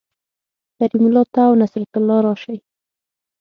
کریم الله ته او نصرت الله راشئ